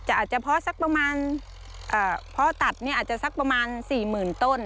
อาจจะเพราะสักประมาณพอตัดเนี่ยอาจจะสักประมาณ๔๐๐๐ต้น